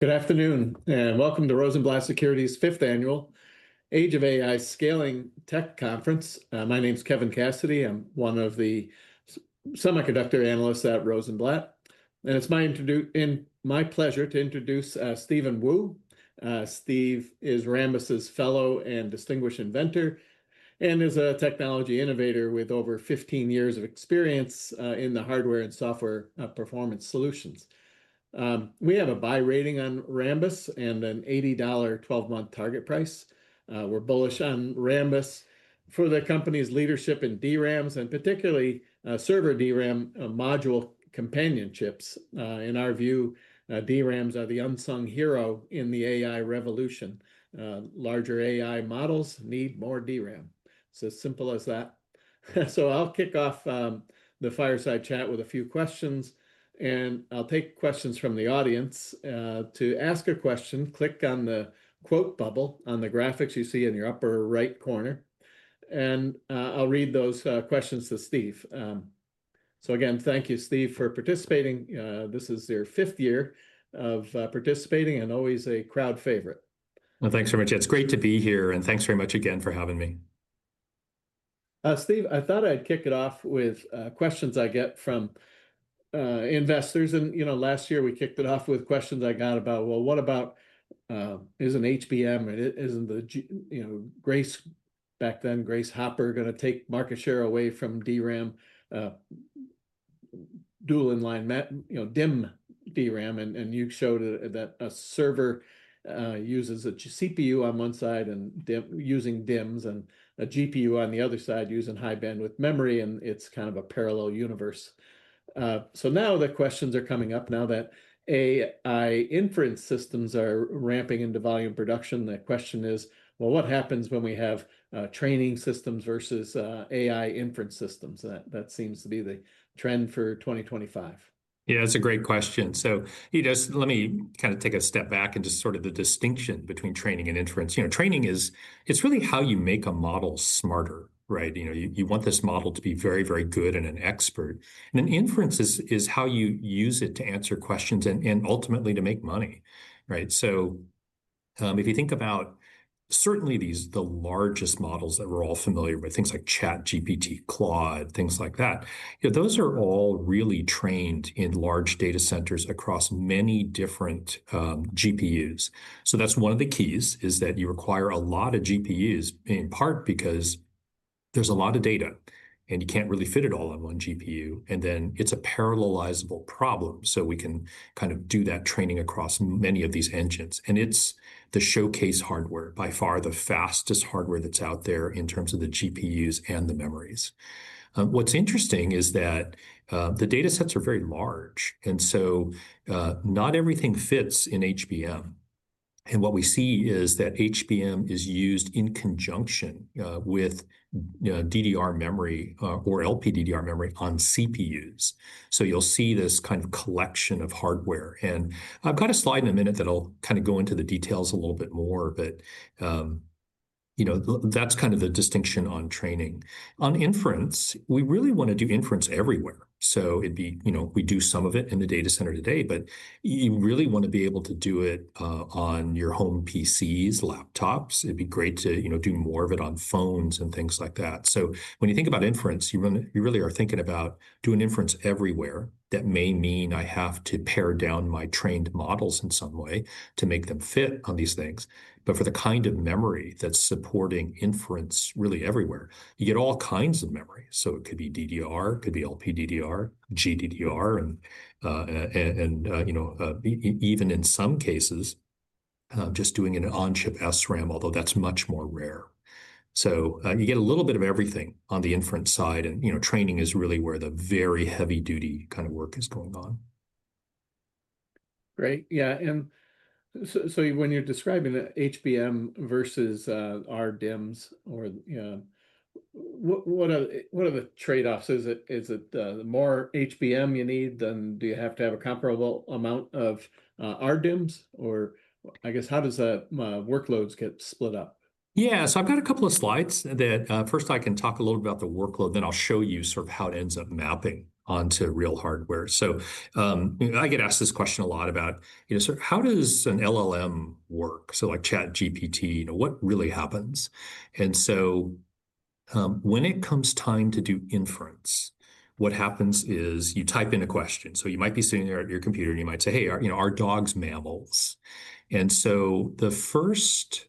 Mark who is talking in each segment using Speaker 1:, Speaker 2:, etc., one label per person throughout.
Speaker 1: Good afternoon, and welcome to Rosenblatt Securities' fifth annual Age of AI Scaling Tech Conference. My name's Kevin Cassidy. I'm one of the semiconductor analysts at Rosenblatt, and it's my pleasure to introduce Steven Woo. Steve is Rambus's Fellow and distinguished inventor, and is a technology innovator with over 15 years of experience in the hardware and software performance solutions. We have a buy rating on Rambus and an $80, 12-month target price. We're bullish on Rambus for the company's leadership in DRAMs, and particularly server DRAM module companionships. In our view, DRAMs are the unsung hero in the AI revolution. Larger AI models need more DRAM. It's as simple as that. I'll kick off the fireside chat with a few questions, and I'll take questions from the audience. To ask a question, click on the quote bubble on the graphics you see in your upper right corner, and I'll read those questions to Steve. Again, thank you, Steve, for participating. This is your fifth year of participating and always a crowd favorite.
Speaker 2: Thanks very much. It's great to be here, and thanks very much again for having me.
Speaker 1: Steve, I thought I'd kick it off with questions I get from investors. Last year we kicked it off with questions I got about, well, what about, isn't HBM, isn't the Grace back then, Grace Hopper, going to take market share away from DRAM? Dual in line DIM DRAM, and you showed that a server uses a CPU on one side and using DIMs and a GPU on the other side using high bandwidth memory, and it's kind of a parallel universe. Now the questions are coming up. Now that AI inference systems are ramping into volume production, the question is, what happens when we have training systems versus AI inference systems? That seems to be the trend for 2025.
Speaker 2: Yeah, that's a great question. Let me kind of take a step back and just sort of the distinction between training and inference. Training is, it's really how you make a model smarter, right? You want this model to be very, very good and an expert. Inference is how you use it to answer questions and ultimately to make money, right? If you think about certainly the largest models that we're all familiar with, things like ChatGPT, Claude, things like that, those are all really trained in large data centers across many different GPUs. That's one of the keys is that you require a lot of GPUs, in part because there's a lot of data and you can't really fit it all on one GPU. It's a parallelizable problem. We can kind of do that training across many of these engines. It's the showcase hardware, by far the fastest hardware that's out there in terms of the GPUs and the memories. What's interesting is that the data sets are very large, and so not everything fits in HBM. What we see is that HBM is used in conjunction with DDR memory or LPDDR memory on CPUs. You'll see this kind of collection of hardware. I've got a slide in a minute that'll kind of go into the details a little bit more, but that's kind of the distinction on training. On inference, we really want to do inference everywhere. It'd be, we do some of it in the data center today, but you really want to be able to do it on your home PCs, laptops. It'd be great to do more of it on phones and things like that. When you think about inference, you really are thinking about doing inference everywhere. That may mean I have to pare down my trained models in some way to make them fit on these things. For the kind of memory that is supporting inference really everywhere, you get all kinds of memory. It could be DDR, it could be LPDDR, GDDR, and even in some cases, just doing an on-chip SRAM, although that is much more rare. You get a little bit of everything on the inference side, and training is really where the very heavy-duty kind of work is going on.
Speaker 1: Great. Yeah. When you're describing the HBM versus RDIMMs, what are the trade-offs? Is it more HBM you need, then do you have to have a comparable amount of RDIMMs? I guess how do the workloads get split up?
Speaker 2: Yeah, so I've got a couple of slides that first I can talk a little bit about the workload, then I'll show you sort of how it ends up mapping onto real hardware. I get asked this question a lot about how does an LLM work? Like ChatGPT, what really happens? When it comes time to do inference, what happens is you type in a question. You might be sitting there at your computer and you might say, hey, are dogs mammals? The first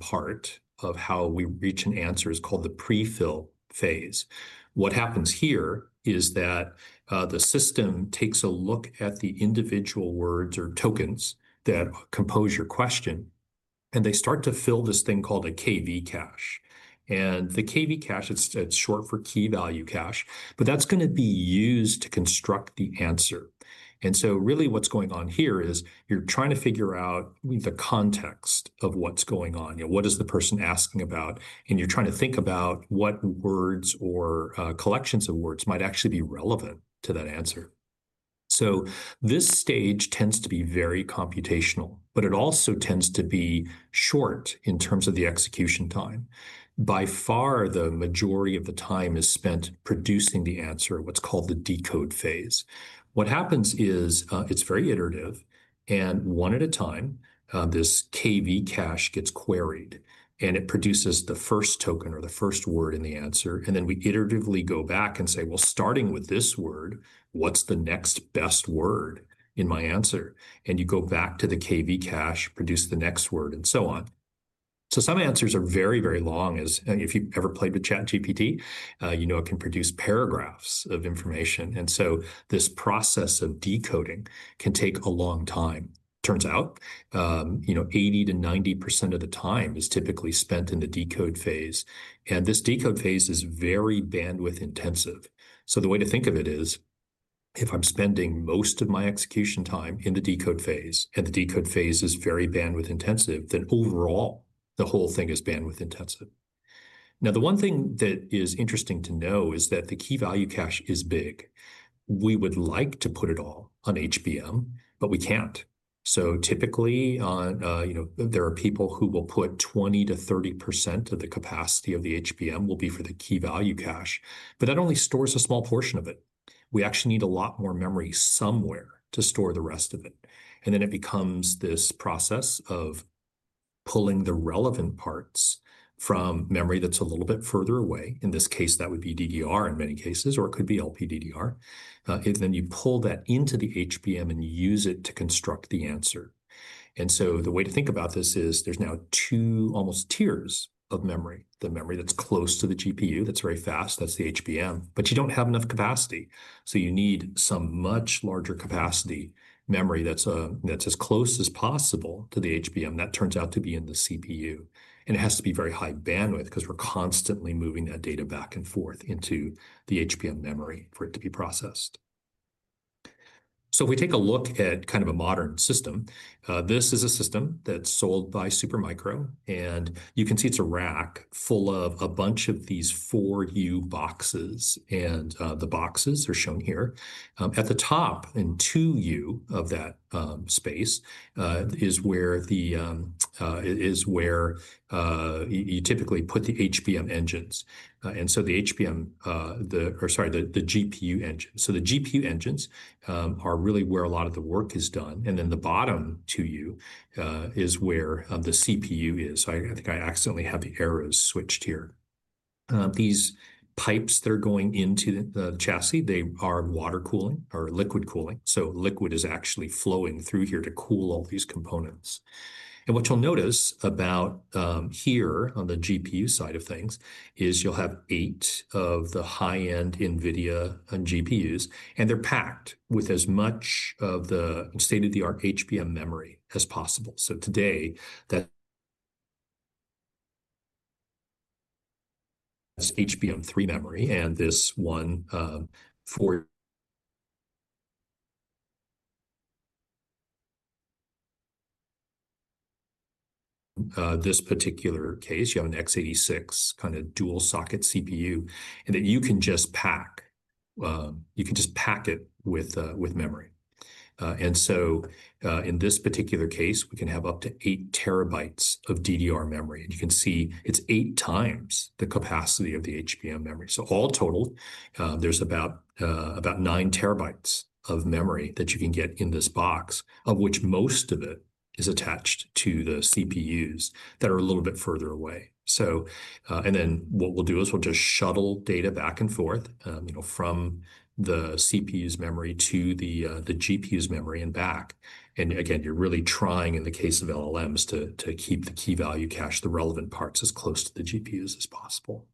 Speaker 2: part of how we reach an answer is called the prefill phase. What happens here is that the system takes a look at the individual words or tokens that compose your question, and they start to fill this thing called a KV cache. The KV cache, it's short for key value cache, but that's going to be used to construct the answer. Really what's going on here is you're trying to figure out the context of what's going on. What is the person asking about? You're trying to think about what words or collections of words might actually be relevant to that answer. This stage tends to be very computational, but it also tends to be short in terms of the execution time. By far, the majority of the time is spent producing the answer, what's called the decode phase. What happens is it's very iterative, and one at a time, this KV cache gets queried, and it produces the first token or the first word in the answer. Then we iteratively go back and say, well, starting with this word, what's the next best word in my answer? You go back to the KV cache, produce the next word, and so on. Some answers are very, very long. If you've ever played with ChatGPT, you know it can produce paragraphs of information. This process of decoding can take a long time. It turns out 80%-90% of the time is typically spent in the decode phase. This decode phase is very bandwidth intensive. The way to think of it is, if I'm spending most of my execution time in the decode phase, and the decode phase is very bandwidth intensive, then overall, the whole thing is bandwidth intensive. The one thing that is interesting to know is that the key value cache is big. We would like to put it all on HBM, but we can't. Typically, there are people who will put 20%-30% of the capacity of the HBM for the key value cache, but that only stores a small portion of it. We actually need a lot more memory somewhere to store the rest of it. It becomes this process of pulling the relevant parts from memory that's a little bit further away. In this case, that would be DDR in many cases, or it could be LPDDR. You pull that into the HBM and use it to construct the answer. The way to think about this is there's now two almost tiers of memory. The memory that's close to the GPU, that's very fast, that's the HBM, but you don't have enough capacity. You need some much larger capacity memory that's as close as possible to the HBM that turns out to be in the CPU. It has to be very high bandwidth because we're constantly moving that data back and forth into the HBM memory for it to be processed. If we take a look at kind of a modern system, this is a system that's sold by Supermicro, and you can see it's a rack full of a bunch of these 4U boxes, and the boxes are shown here. At the top in 2U of that space is where you typically put the HBM engines. Or, sorry, the GPU engines. The GPU engines are really where a lot of the work is done. The bottom 2U is where the CPU is. I think I accidentally have the arrows switched here. These pipes that are going into the chassis, they are water cooling or liquid cooling. Liquid is actually flowing through here to cool all these components. What you'll notice about here on the GPU side of things is you'll have eight of the high-end NVIDIA GPUs, and they're packed with as much of the state-of-the-art HBM memory as possible. Today, that's HBM3 memory and this one for this particular case, you have an x86 kind of dual socket CPU, and then you can just pack, you can just pack it with memory. In this particular case, we can have up to 8 terabytes of DDR memory. You can see it's 8x the capacity of the HBM memory. All total, there's about 9 TB of memory that you can get in this box, of which most of it is attached to the CPUs that are a little bit further away. What we'll do is we'll just shuttle data back and forth from the CPU's memory to the GPU's memory and back. Again, you're really trying in the case of LLMs to keep the key value cache, the relevant parts as close to the GPUs as possible.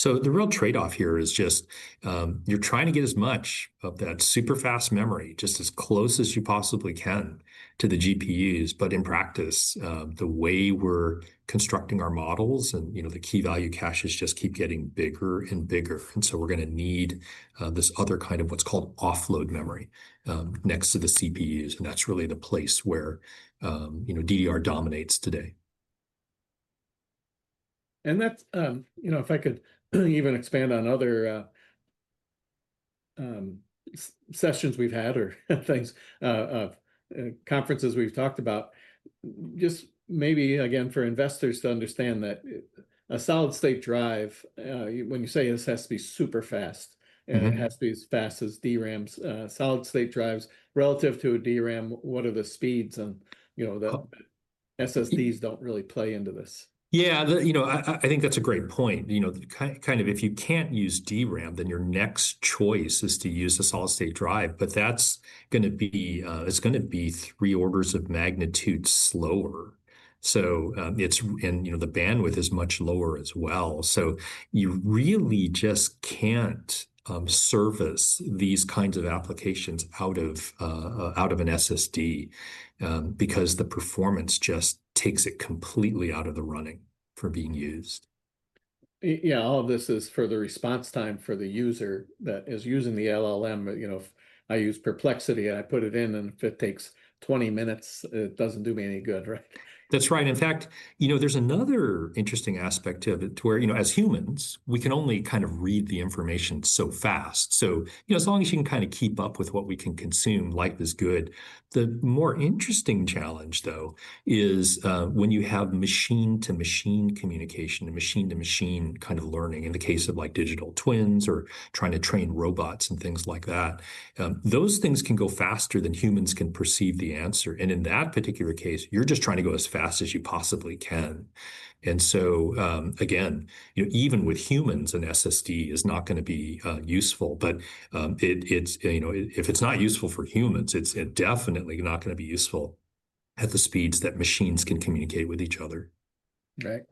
Speaker 2: The real trade-off here is just you're trying to get as much of that super fast memory just as close as you possibly can to the GPUs. In practice, the way we're constructing our models and the key value caches just keep getting bigger and bigger. We're going to need this other kind of what's called offload memory next to the CPUs. That's really the place where DDR dominates today.
Speaker 1: If I could even expand on other sessions we've had or things, conferences we've talked about, just maybe again for investors to understand that a solid-state drive, when you say this has to be super fast and it has to be as fast as DRAMs, solid-state drives relative to a DRAM, what are the speeds? SSDs don't really play into this.
Speaker 2: Yeah, I think that's a great point. Kind of if you can't use DRAM, then your next choice is to use a solid-state drive, but that's going to be, it's going to be three orders of magnitude slower. The bandwidth is much lower as well. You really just can't service these kinds of applications out of an SSD because the performance just takes it completely out of the running for being used.
Speaker 1: Yeah, all of this is for the response time for the user that is using the LLM. I use Perplexity and I put it in and if it takes 20 minutes, it doesn't do me any good, right?
Speaker 2: That's right. In fact, there's another interesting aspect to it to where as humans, we can only kind of read the information so fast. As long as you can kind of keep up with what we can consume, life is good. The more interesting challenge though is when you have machine-to-machine communication, machine-to-machine kind of learning in the case of digital twins or trying to train robots and things like that, those things can go faster than humans can perceive the answer. In that particular case, you're just trying to go as fast as you possibly can. Again, even with humans, an SSD is not going to be useful, but if it's not useful for humans, it's definitely not going to be useful at the speeds that machines can communicate with each other.
Speaker 1: Right.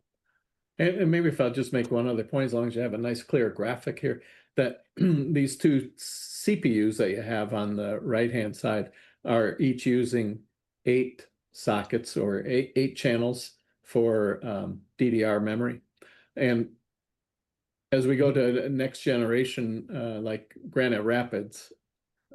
Speaker 1: And maybe if I'll just make one other point, as long as you have a nice clear graphic here, that these two CPUs that you have on the right-hand side are each using eight sockets or eight channels for DDR memory. As we go to next generation, like Granite Rapids,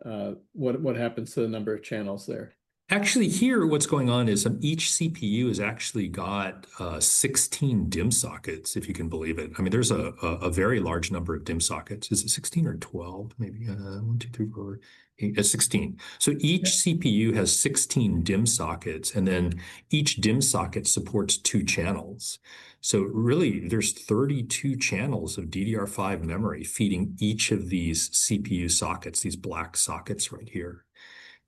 Speaker 1: what happens to the number of channels there?
Speaker 2: Actually here, what's going on is each CPU has actually got 16 DIMM sockets, if you can believe it. I mean, there's a very large number of DIMM sockets. Is it 16 or 12? Maybe one, two, three, four, eight, 16. Each CPU has 16 DIMM sockets, and then each DIMM socket supports two channels. Really, there's 32 channels of DDR5 memory feeding each of these CPU sockets, these black sockets right here.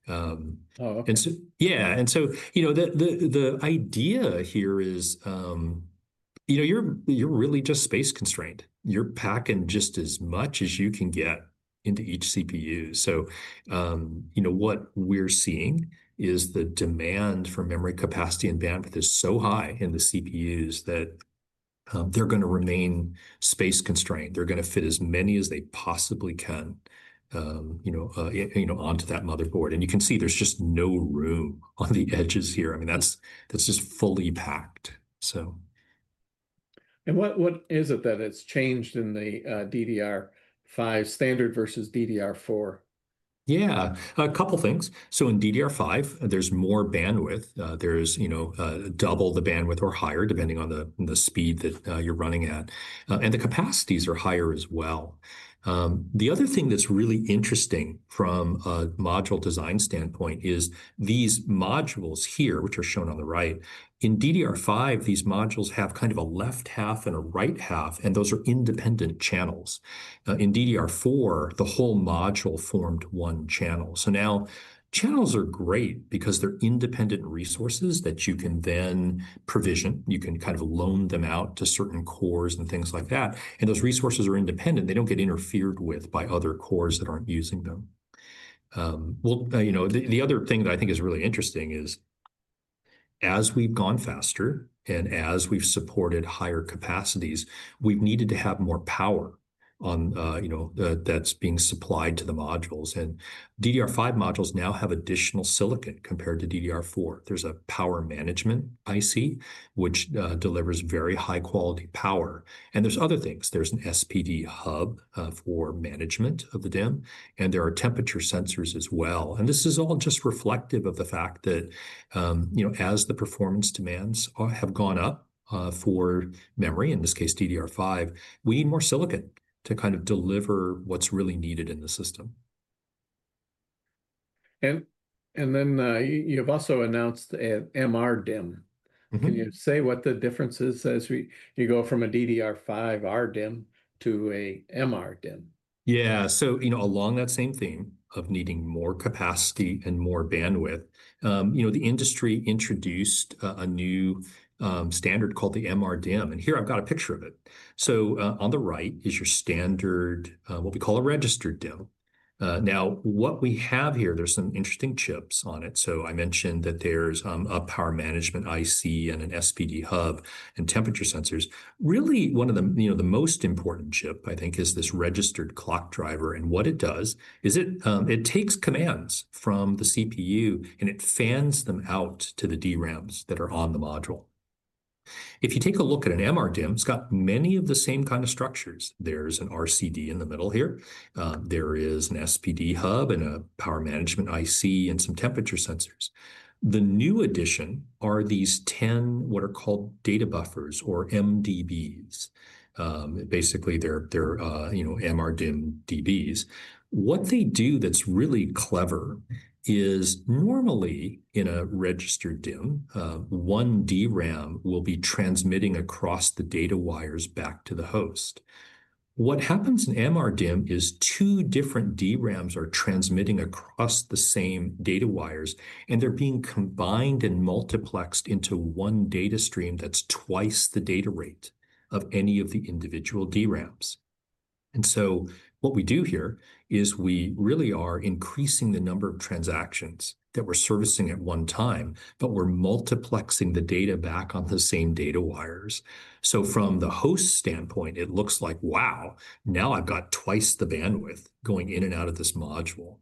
Speaker 1: Oh, okay.
Speaker 2: Yeah. The idea here is you're really just space constrained. You're packing just as much as you can get into each CPU. What we're seeing is the demand for memory capacity and bandwidth is so high in the CPUs that they're going to remain space constrained. They're going to fit as many as they possibly can onto that motherboard. You can see there's just no room on the edges here. I mean, that's just fully packed.
Speaker 1: What is it that has changed in the DDR5 standard versus DDR4?
Speaker 2: Yeah, a couple of things. In DDR5, there's more bandwidth. There's double the bandwidth or higher depending on the speed that you're running at. The capacities are higher as well. The other thing that's really interesting from a module design standpoint is these modules here, which are shown on the right. In DDR5, these modules have kind of a left half and a right half, and those are independent channels. In DDR4, the whole module formed one channel. Channels are great because they're independent resources that you can then provision. You can kind of loan them out to certain cores and things like that. Those resources are independent. They don't get interfered with by other cores that aren't using them. The other thing that I think is really interesting is as we've gone faster and as we've supported higher capacities, we've needed to have more power that's being supplied to the modules. DDR5 modules now have additional silicon compared to DDR4. There's a power management IC, which delivers very high-quality power. There's other things. There's an SPD hub for management of the DIMM, and there are temperature sensors as well. This is all just reflective of the fact that as the performance demands have gone up for memory, in this case, DDR5, we need more silicon to kind of deliver what's really needed in the system.
Speaker 1: You have also announced an MRDIMM. Can you say what the difference is as you go from a DDR5 RDIMM to an MRDIMM?
Speaker 2: Yeah. Along that same theme of needing more capacity and more bandwidth, the industry introduced a new standard called the MRDIMM. Here I've got a picture of it. On the right is your standard, what we call a registered DIMM. Now, what we have here, there are some interesting chips on it. I mentioned that there's a power management IC and an SPD hub and temperature sensors. Really, one of the most important chips, I think, is this registered clock driver. What it does is it takes commands from the CPU and it fans them out to the DRAMs that are on the module. If you take a look at an MRDIMM, it's got many of the same kind of structures. There's an RCD in the middle here. There is an SPD hub and a power management IC and some temperature sensors. The new addition are these 10 what are called data buffers or MDBs. Basically, they're MRDIMM DBs. What they do that's really clever is normally in a registered DIMM, one DRAM will be transmitting across the data wires back to the host. What happens in MRDIMM is two different DRAMs are transmitting across the same data wires, and they're being combined and multiplexed into one data stream that's twice the data rate of any of the individual DRAMs. What we do here is we really are increasing the number of transactions that we're servicing at one time, but we're multiplexing the data back on the same data wires. From the host standpoint, it looks like, wow, now I've got twice the bandwidth going in and out of this module.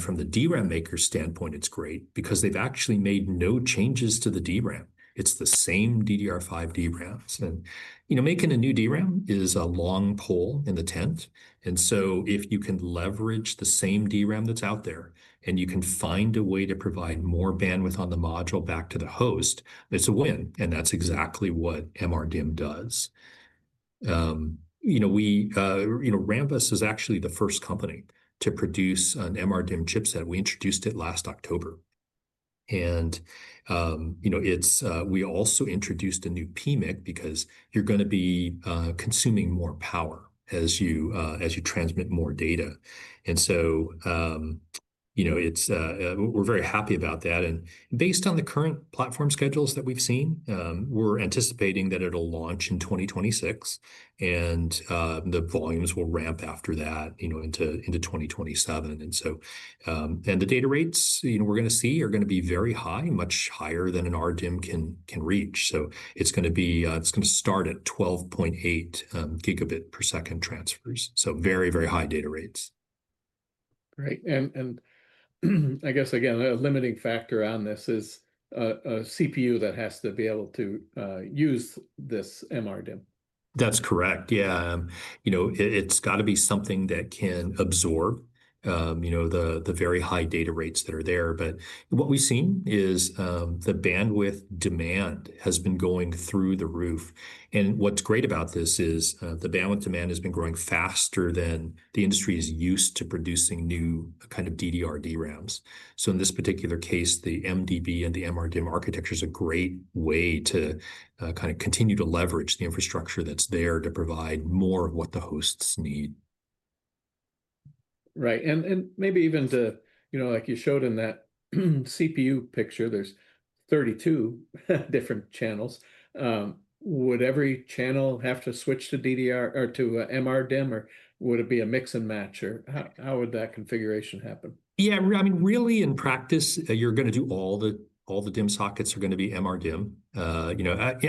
Speaker 2: From the DRAM maker standpoint, it's great because they've actually made no changes to the DRAM. It's the same DDR5 DRAMs. Making a new DRAM is a long pole in the tent. If you can leverage the same DRAM that's out there and you can find a way to provide more bandwidth on the module back to the host, it's a win. That's exactly what MRDIMM does. Rambus is actually the first company to produce an MRDIMM chipset. We introduced it last October. We also introduced a new PMIC because you're going to be consuming more power as you transmit more data. We're very happy about that. Based on the current platform schedules that we've seen, we're anticipating that it'll launch in 2026, and the volumes will ramp after that into 2027. The data rates we're going to see are going to be very high, much higher than an RDIMM can reach. It is going to start at 12.8 GB per second transfers. Very, very high data rates.
Speaker 1: Right. I guess, again, a limiting factor on this is a CPU that has to be able to use this MRDIMM.
Speaker 2: That's correct. Yeah. It's got to be something that can absorb the very high data rates that are there. What we've seen is the bandwidth demand has been going through the roof. What's great about this is the bandwidth demand has been growing faster than the industry is used to producing new kind of DDR DRAMs. In this particular case, the MRDIMM architecture is a great way to kind of continue to leverage the infrastructure that's there to provide more of what the hosts need.
Speaker 1: Right. And maybe even to, like you showed in that CPU picture, there are 32 different channels. Would every channel have to switch to MRDIMM, or would it be a mix and match? Or how would that configuration happen?
Speaker 2: Yeah. I mean, really in practice, you're going to do all the DIMM sockets are going to be MRDIMM.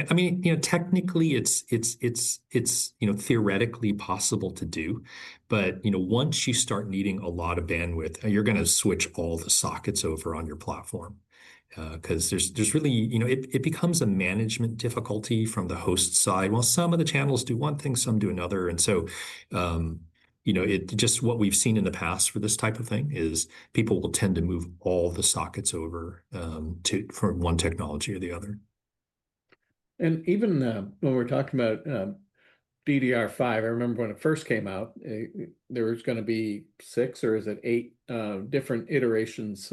Speaker 2: I mean, technically, it's theoretically possible to do. Once you start needing a lot of bandwidth, you're going to switch all the sockets over on your platform because there is really, it becomes a management difficulty from the host side. Some of the channels do one thing, some do another. Just what we've seen in the past for this type of thing is people will tend to move all the sockets over from one technology or the other.
Speaker 1: Even when we're talking about DDR5, I remember when it first came out, there was going to be six or is it eight different iterations,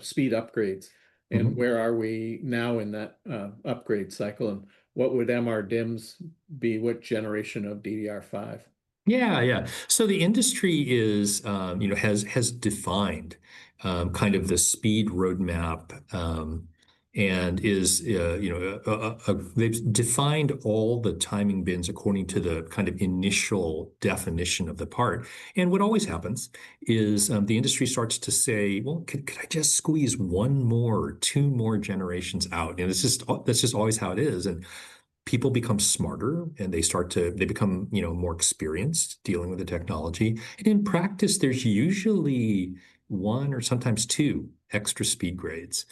Speaker 1: speed upgrades. Where are we now in that upgrade cycle? What would MRDIMMs be? What generation of DDR5?
Speaker 2: Yeah, yeah. The industry has defined kind of the speed roadmap and they have defined all the timing bins according to the kind of initial definition of the part. What always happens is the industry starts to say, could I just squeeze one more, two more generations out? That is just always how it is. People become smarter and they become more experienced dealing with the technology. In practice, there is usually one or sometimes two extra speed grades.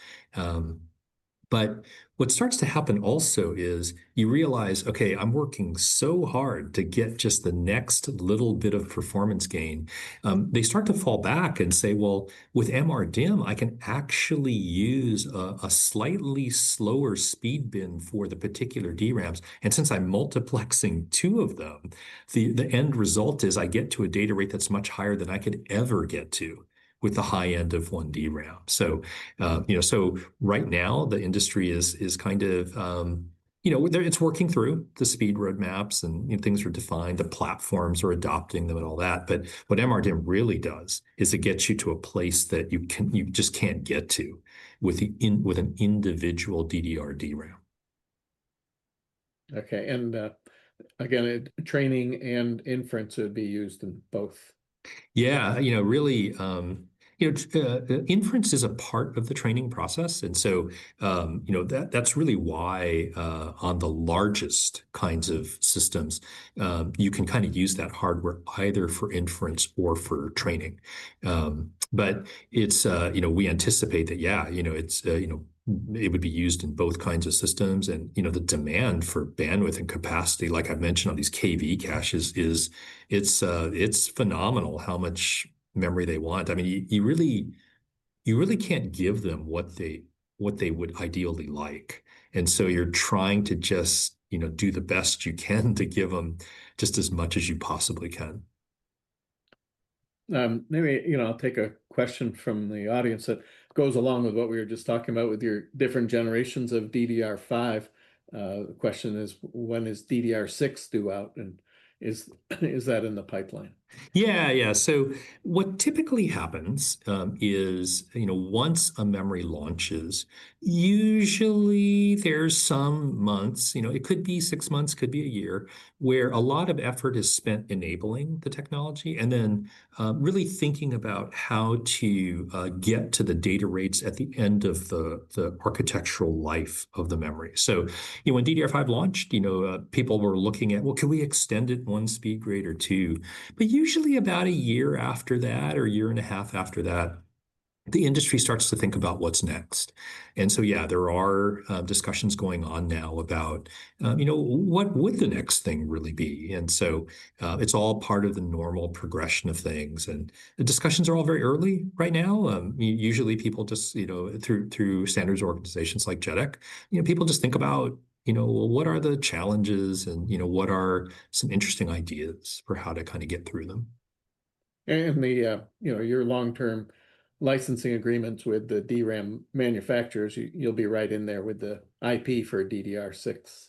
Speaker 2: What starts to happen also is you realize, okay, I am working so hard to get just the next little bit of performance gain. They start to fall back and say, with MRDIMM, I can actually use a slightly slower speed bin for the particular DRAMs. Since I'm multiplexing two of them, the end result is I get to a data rate that's much higher than I could ever get to with the high end of one DRAM. Right now, the industry is kind of, it's working through the speed roadmaps and things are defined. The platforms are adopting them and all that. What MRDIMM really does is it gets you to a place that you just can't get to with an individual DDR DRAM.
Speaker 1: Okay. Again, training and inference would be used in both.
Speaker 2: Yeah. Really, inference is a part of the training process. That is really why on the largest kinds of systems, you can kind of use that hardware either for inference or for training. We anticipate that, yeah, it would be used in both kinds of systems. The demand for bandwidth and capacity, like I have mentioned on these KV caches, it is phenomenal how much memory they want. I mean, you really cannot give them what they would ideally like. You are trying to just do the best you can to give them just as much as you possibly can.
Speaker 1: Maybe I'll take a question from the audience that goes along with what we were just talking about with your different generations of DDR5. The question is, when is DDR6 due out? Is that in the pipeline?
Speaker 2: Yeah, yeah. What typically happens is once a memory launches, usually there are some months, it could be six months, could be a year, where a lot of effort is spent enabling the technology and then really thinking about how to get to the data rates at the end of the architectural life of the memory. When DDR5 launched, people were looking at, well, can we extend it one speed grade or two? Usually about a year after that or a year and a half after that, the industry starts to think about what's next. There are discussions going on now about what would the next thing really be. It is all part of the normal progression of things. The discussions are all very early right now. Usually, people just, through standards organizations like JEDEC, people just think about, well, what are the challenges and what are some interesting ideas for how to kind of get through them?
Speaker 1: Your long-term licensing agreements with the DRAM manufacturers, you'll be right in there with the IP for DDR6.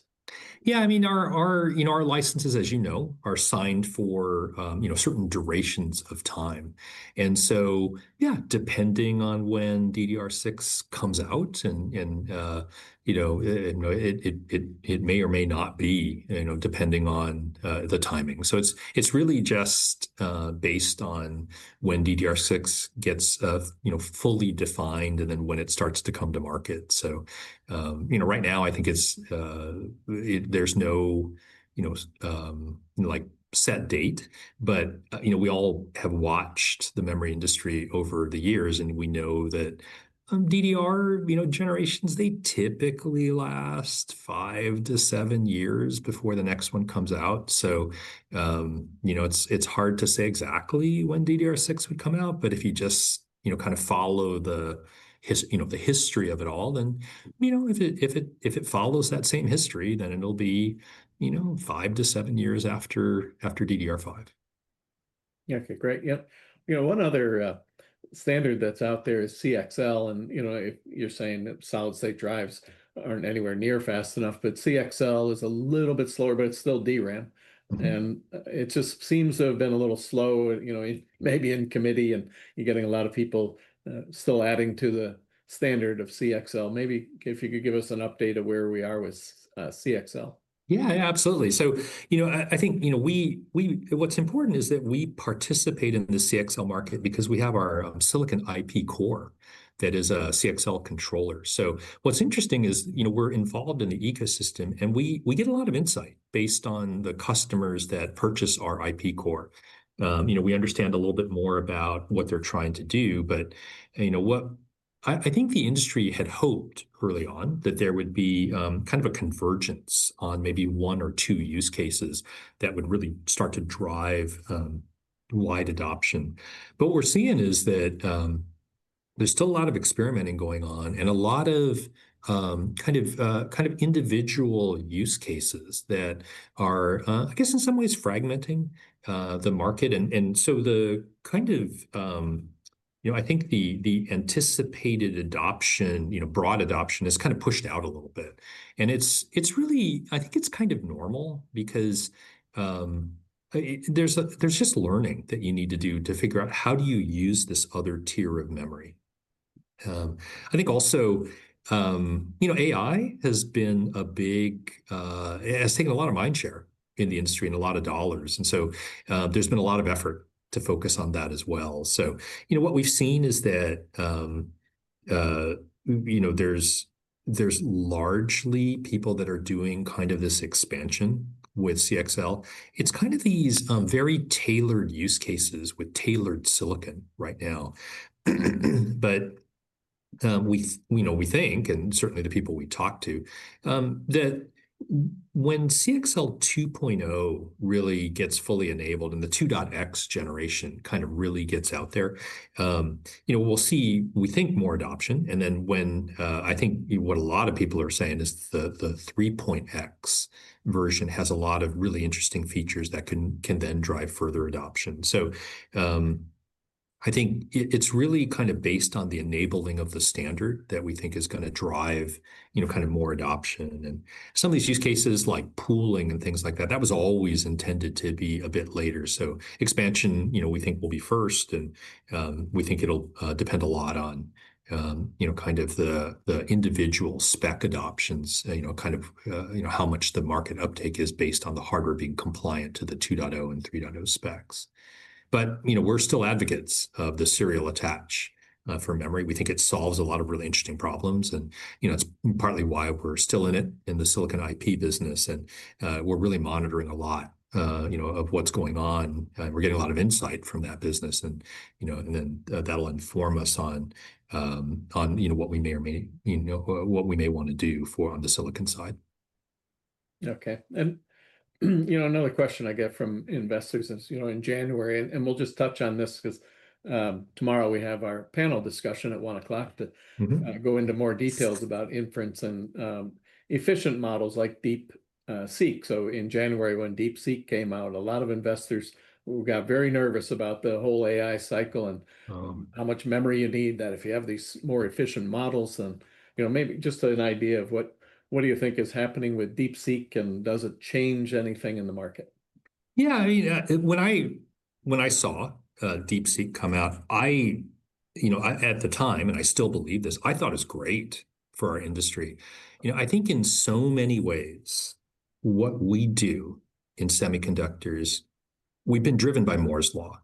Speaker 2: Yeah. I mean, our licenses, as you know, are signed for certain durations of time. And so, yeah, depending on when DDR6 comes out, and it may or may not be depending on the timing. It is really just based on when DDR6 gets fully defined and then when it starts to come to market. Right now, I think there is no set date, but we all have watched the memory industry over the years, and we know that DDR generations, they typically last five to seven years before the next one comes out. It is hard to say exactly when DDR6 would come out, but if you just kind of follow the history of it all, then if it follows that same history, then it will be five to seven years after DDR5.
Speaker 1: Okay. Great. Yep. One other standard that's out there is CXL. You're saying that solid-state drives aren't anywhere near fast enough, but CXL is a little bit slower, but it's still DRAM. It just seems to have been a little slow, maybe in committee, and you're getting a lot of people still adding to the standard of CXL. Maybe if you could give us an update of where we are with CXL.
Speaker 2: Yeah, absolutely. I think what's important is that we participate in the CXL market because we have our silicon IP core that is a CXL controller. What's interesting is we're involved in the ecosystem, and we get a lot of insight based on the customers that purchase our IP core. We understand a little bit more about what they're trying to do. I think the industry had hoped early on that there would be kind of a convergence on maybe one or two use cases that would really start to drive wide adoption. What we're seeing is that there's still a lot of experimenting going on and a lot of kind of individual use cases that are, I guess, in some ways fragmenting the market. The anticipated adoption, broad adoption is kind of pushed out a little bit. I think it's kind of normal because there's just learning that you need to do to figure out how do you use this other tier of memory. I think also AI has been a big, has taken a lot of mind share in the industry and a lot of dollars. There has been a lot of effort to focus on that as well. What we've seen is that there's largely people that are doing kind of this expansion with CXL. It's kind of these very tailored use cases with tailored silicon right now. We think, and certainly the people we talk to, that when CXL 2.0 really gets fully enabled and the 2.x generation kind of really gets out there, we'll see, we think more adoption. When I think what a lot of people are saying is the 3.x version has a lot of really interesting features that can then drive further adoption. I think it's really kind of based on the enabling of the standard that we think is going to drive kind of more adoption. Some of these use cases like pooling and things like that, that was always intended to be a bit later. Expansion, we think, will be first, and we think it'll depend a lot on kind of the individual spec adoptions, kind of how much the market uptake is based on the hardware being compliant to the 2.0 and 3.0 specs. We're still advocates of the serial attach for memory. We think it solves a lot of really interesting problems, and it's partly why we're still in it in the silicon IP business. We're really monitoring a lot of what's going on. We're getting a lot of insight from that business, and then that'll inform us on what we may or may want to do for on the silicon side.
Speaker 1: Okay. Another question I get from investors in January, and we'll just touch on this because tomorrow we have our panel discussion at 1:00 P.M. to go into more details about inference and efficient models like DeepSeek. In January, when DeepSeek came out, a lot of investors got very nervous about the whole AI cycle and how much memory you need, that if you have these more efficient models. Maybe just an idea of what do you think is happening with DeepSeek, and does it change anything in the market?
Speaker 2: Yeah. I mean, when I saw DeepSeek come out, I at the time, and I still believe this, I thought it was great for our industry. I think in so many ways, what we do in semiconductors, we've been driven by Moore's Law.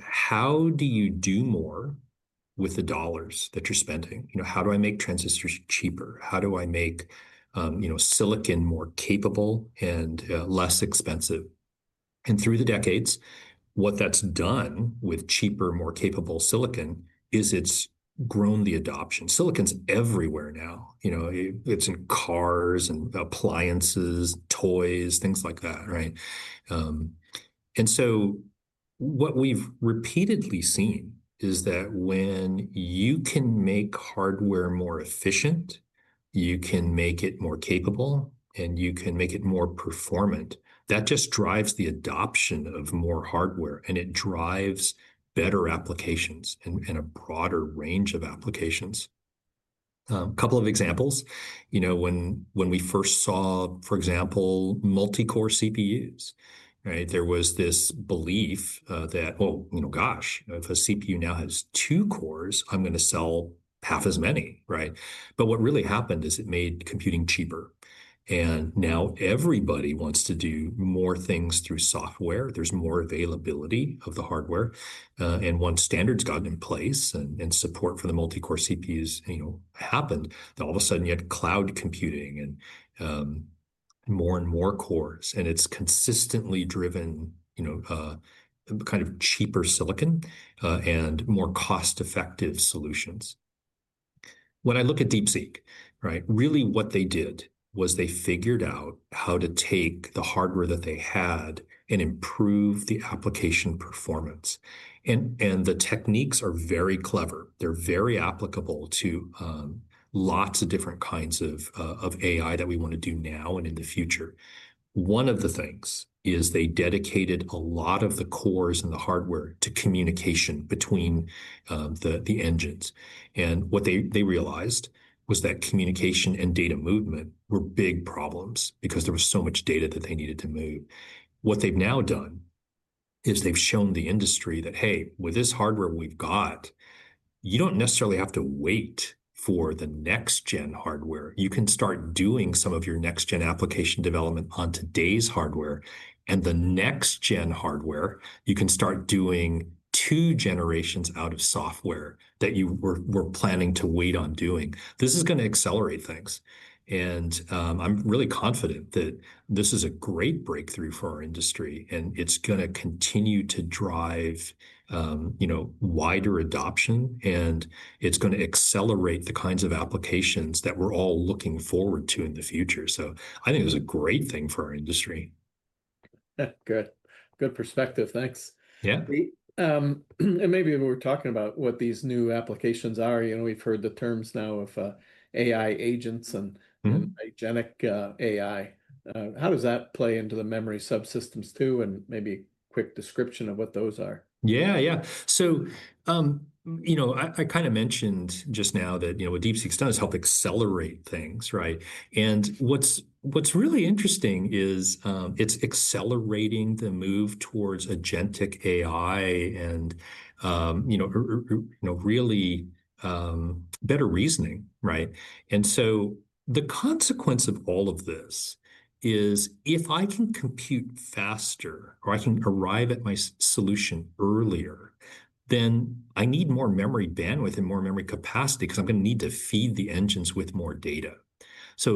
Speaker 2: How do you do more with the dollars that you're spending? How do I make transistors cheaper? How do I make silicon more capable and less expensive? Through the decades, what that's done with cheaper, more capable silicon is it's grown the adoption. Silicon's everywhere now. It's in cars and appliances, toys, things like that, right? What we've repeatedly seen is that when you can make hardware more efficient, you can make it more capable, and you can make it more performant. That just drives the adoption of more hardware, and it drives better applications and a broader range of applications. A couple of examples. When we first saw, for example, multi-core CPUs, there was this belief that, oh, gosh, if a CPU now has two cores, I'm going to sell half as many, right? What really happened is it made computing cheaper. Now everybody wants to do more things through software. There is more availability of the hardware. Once standards got in place and support for the multi-core CPUs happened, all of a sudden you had cloud computing and more and more cores. It has consistently driven kind of cheaper silicon and more cost-effective solutions. When I look at DeepSeek, really what they did was they figured out how to take the hardware that they had and improve the application performance. The techniques are very clever. They are very applicable to lots of different kinds of AI that we want to do now and in the future. One of the things is they dedicated a lot of the cores and the hardware to communication between the engines. What they realized was that communication and data movement were big problems because there was so much data that they needed to move. What they've now done is they've shown the industry that, hey, with this hardware we've got, you do not necessarily have to wait for the next-gen hardware. You can start doing some of your next-gen application development on today's hardware. The next-gen hardware, you can start doing two generations out of software that you were planning to wait on doing. This is going to accelerate things. I'm really confident that this is a great breakthrough for our industry, and it's going to continue to drive wider adoption, and it's going to accelerate the kinds of applications that we're all looking forward to in the future. I think it was a great thing for our industry.
Speaker 1: Yeah. Good. Good perspective. Thanks. Maybe we were talking about what these new applications are. We've heard the terms now of AI agents and agentic AI. How does that play into the memory subsystems too? Maybe a quick description of what those are.
Speaker 2: Yeah, yeah. I kind of mentioned just now that DeepSeek does help accelerate things, right? What's really interesting is it's accelerating the move towards agentic AI and really better reasoning, right? The consequence of all of this is if I can compute faster or I can arrive at my solution earlier, then I need more memory bandwidth and more memory capacity because I'm going to need to feed the engines with more data.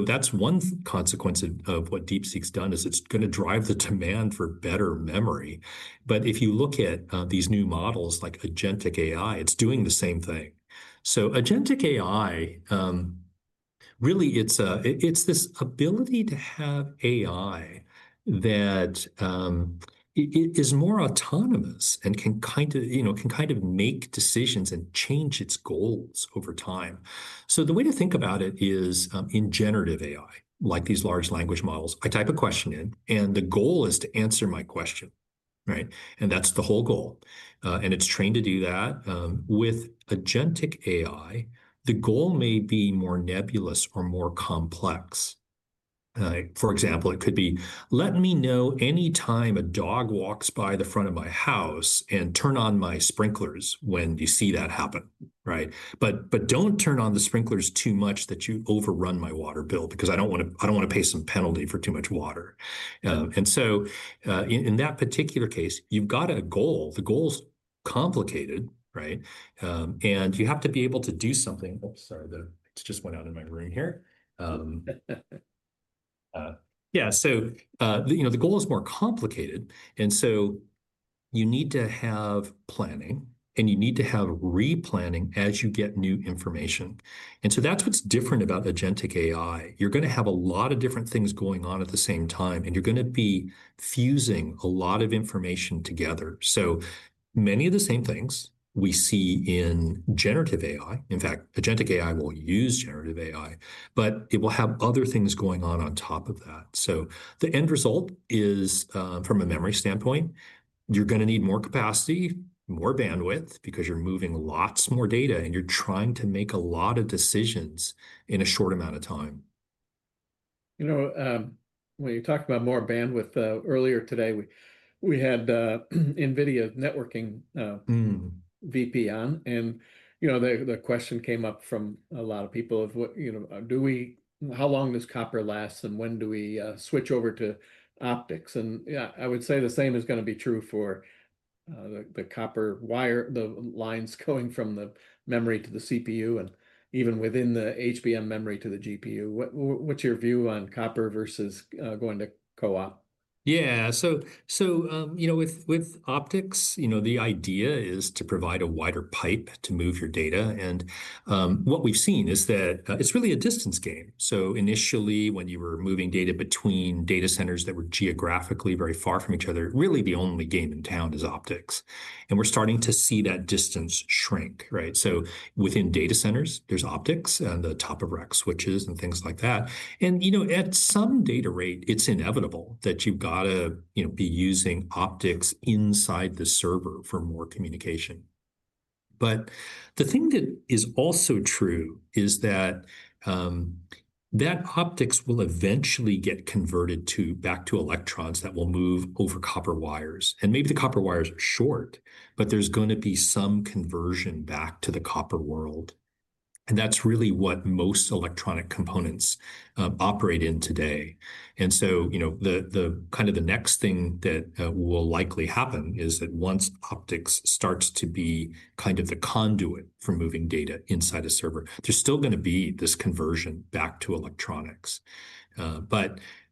Speaker 2: That's one consequence of what DeepSeek's done is it's going to drive the demand for better memory. If you look at these new models like agentic AI, it's doing the same thing. Agentic AI, really, it's this ability to have AI that is more autonomous and can kind of make decisions and change its goals over time. The way to think about it is in generative AI, like these large language models, I type a question in, and the goal is to answer my question, right? That's the whole goal. It's trained to do that. With agentic AI, the goal may be more nebulous or more complex. For example, it could be, let me know anytime a dog walks by the front of my house and turn on my sprinklers when you see that happen, right? Don't turn on the sprinklers too much that you overrun my water bill because I don't want to pay some penalty for too much water. In that particular case, you've got a goal. The goal's complicated, right? You have to be able to do something. Oops, sorry, it just went out of my brain here. Yeah. The goal is more complicated. You need to have planning, and you need to have replanning as you get new information. That is what is different about agentic AI. You are going to have a lot of different things going on at the same time, and you are going to be fusing a lot of information together. Many of the same things we see in generative AI. In fact, agentic AI will use generative AI, but it will have other things going on on top of that. The end result is, from a memory standpoint, you are going to need more capacity, more bandwidth because you are moving lots more data, and you are trying to make a lot of decisions in a short amount of time.
Speaker 1: You know, when you talked about more bandwidth earlier today, we had NVIDIA Networking VPN, and the question came up from a lot of people of how long does copper last, and when do we switch over to optics? I would say the same is going to be true for the copper wire, the lines going from the memory to the CPU, and even within the HBM memory to the GPU. What's your view on copper versus going to co-op?
Speaker 2: Yeah. So with optics, the idea is to provide a wider pipe to move your data. What we've seen is that it's really a distance game. Initially, when you were moving data between data centers that were geographically very far from each other, really the only game in town is optics. We're starting to see that distance shrink, right? Within data centers, there's optics in the top of rack switches and things like that. At some data rate, it's inevitable that you've got to be using optics inside the server for more communication. The thing that is also true is that optics will eventually get converted back to electrons that will move over copper wires. Maybe the copper wires are short, but there's going to be some conversion back to the copper world. That is really what most electronic components operate in today. Kind of the next thing that will likely happen is that once optics starts to be kind of the conduit for moving data inside a server, there is still going to be this conversion back to electronics.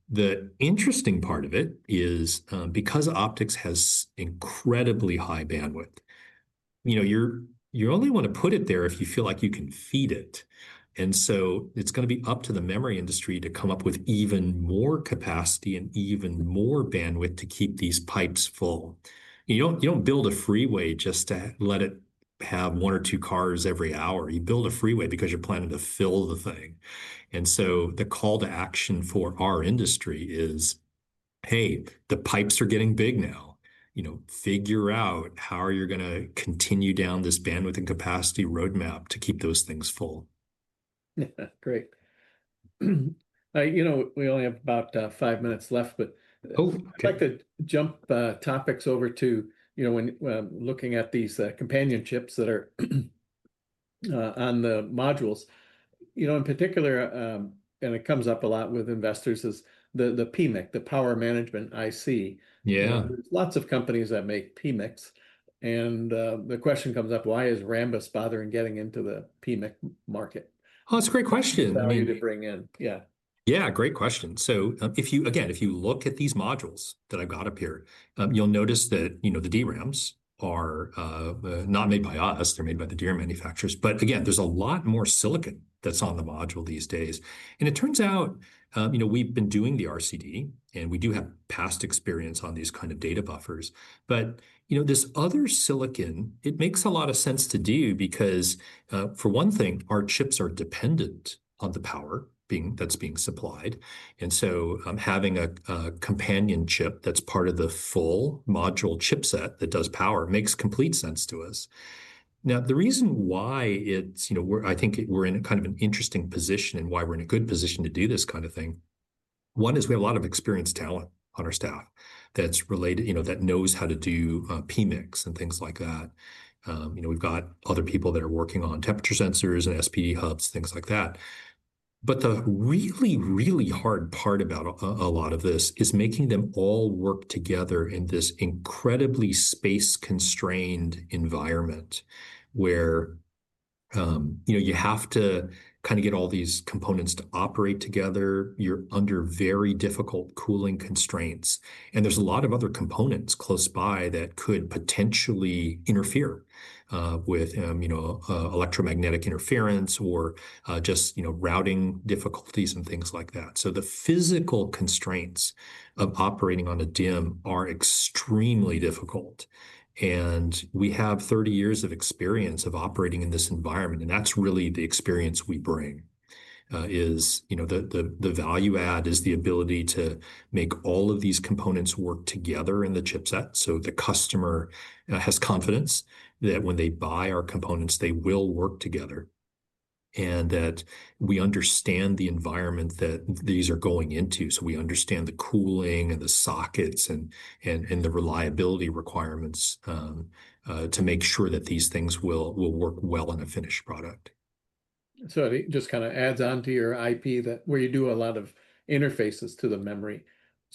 Speaker 2: The interesting part of it is because optics has incredibly high bandwidth, you only want to put it there if you feel like you can feed it. It is going to be up to the memory industry to come up with even more capacity and even more bandwidth to keep these pipes full. You do not build a freeway just to let it have one or two cars every hour. You build a freeway because you are planning to fill the thing. The call to action for our industry is, hey, the pipes are getting big now. Figure out how you're going to continue down this bandwidth and capacity roadmap to keep those things full.
Speaker 1: Yeah. Great. You know, we only have about five minutes left, but I'd like to jump topics over to when looking at these companion chips that are on the modules. You know, in particular, and it comes up a lot with investors, is the PMIC, the power management IC. Yeah, lots of companies that make PMICs. The question comes up, why is Rambus bothering getting into the PMIC market?
Speaker 2: Oh, that's a great question.
Speaker 1: For you to bring in. Yeah.
Speaker 2: Yeah, great question. Again, if you look at these modules that I've got up here, you'll notice that the DRAMs are not made by us. They're made by the DRAM manufacturers. Again, there's a lot more silicon that's on the module these days. It turns out we've been doing the RCD, and we do have past experience on these kinds of data buffers. This other silicon, it makes a lot of sense to do because, for one thing, our chips are dependent on the power that's being supplied. Having a companion chip that's part of the full module chipset that does power makes complete sense to us. Now, the reason why I think we're in kind of an interesting position and why we're in a good position to do this kind of thing, one is we have a lot of experienced talent on our staff that knows how to do PMICs and things like that. We've got other people that are working on temperature sensors and SPD hubs, things like that. The really, really hard part about a lot of this is making them all work together in this incredibly space-constrained environment where you have to kind of get all these components to operate together. You're under very difficult cooling constraints. There are a lot of other components close by that could potentially interfere with electromagnetic interference or just routing difficulties and things like that. The physical constraints of operating on a DIMM are extremely difficult. We have 30 years of experience of operating in this environment. That is really the experience we bring, the value add is the ability to make all of these components work together in the chipset so the customer has confidence that when they buy our components, they will work together. We understand the environment that these are going into. We understand the cooling and the sockets and the reliability requirements to make sure that these things will work well in a finished product.
Speaker 1: It just kind of adds on to your IP where you do a lot of interfaces to the memory.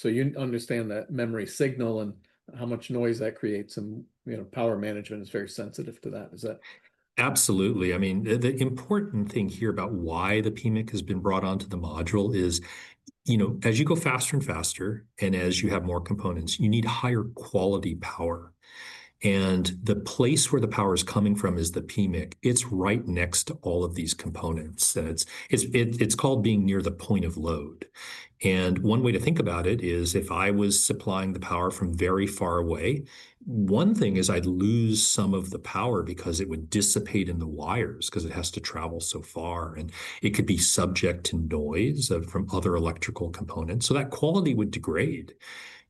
Speaker 1: You understand that memory signal and how much noise that creates, and power management is very sensitive to that. Is that?
Speaker 2: Absolutely. I mean, the important thing here about why the PMIC has been brought onto the module is as you go faster and faster and as you have more components, you need higher quality power. The place where the power is coming from is the PMIC. It's right next to all of these components. It's called being near the point of load. One way to think about it is if I was supplying the power from very far away, one thing is I'd lose some of the power because it would dissipate in the wires because it has to travel so far. It could be subject to noise from other electrical components. That quality would degrade.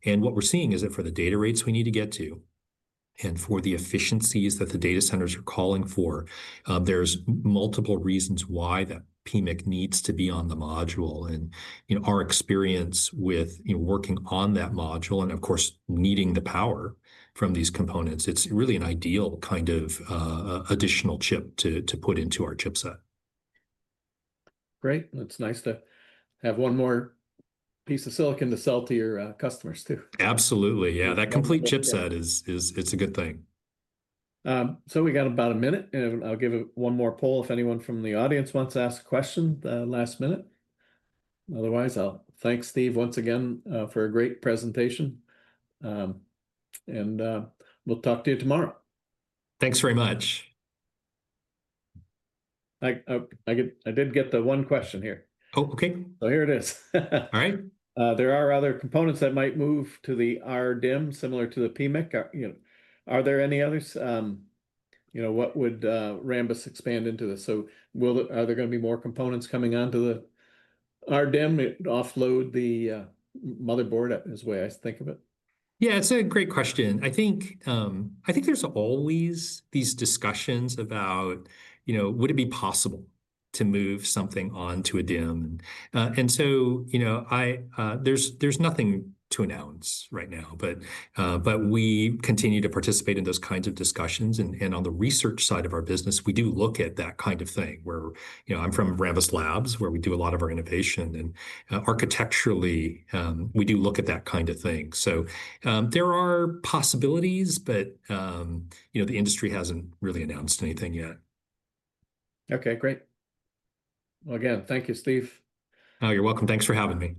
Speaker 2: What we're seeing is that for the data rates we need to get to and for the efficiencies that the data centers are calling for, there are multiple reasons why that PMIC needs to be on the module. Our experience with working on that module and, of course, needing the power from these components, it's really an ideal kind of additional chip to put into our chipset.
Speaker 1: Great. It's nice to have one more piece of silicon to sell to your customers too.
Speaker 2: Absolutely. Yeah. That complete chipset, it's a good thing.
Speaker 1: We got about a minute. I'll give it one more poll if anyone from the audience wants to ask a question last minute. Otherwise, I'll thank Steve once again for a great presentation. We'll talk to you tomorrow.
Speaker 2: Thanks very much.
Speaker 1: I did get the one question here.
Speaker 2: Oh, okay.
Speaker 1: Here it is.
Speaker 2: All right.
Speaker 1: There are other components that might move to the RDIMM, similar to the PMIC. Are there any others? What would Rambus expand into this? Are there going to be more components coming onto the RDIMM? It'd offload the motherboard as well, I think of it.
Speaker 2: Yeah. It's a great question. I think there's always these discussions about, would it be possible to move something onto a DIMM? There's nothing to announce right now, but we continue to participate in those kinds of discussions. On the research side of our business, we do look at that kind of thing where I'm from Rambus Labs, where we do a lot of our innovation. Architecturally, we do look at that kind of thing. There are possibilities, but the industry hasn't really announced anything yet.
Speaker 1: Okay. Great. Again, thank you, Steve.
Speaker 2: Oh, you're welcome. Thanks for having me.